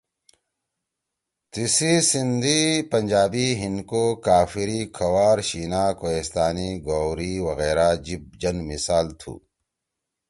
تیِسی سندھی، پنجابی، ہندکو، کافری، کھوار، ݜیِنا، کوہستانی، گوری وغیرہ جیِب جن مثال تُھو۔